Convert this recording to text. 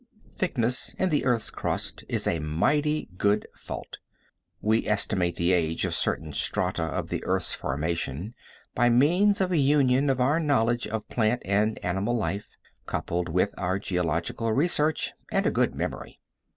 Thickness in the earth's crust is a mighty good fault. We estimate the age of certain strata of the earth's formation by means of a union of our knowledge of plant and animal life, coupled with our geological research and a good memory.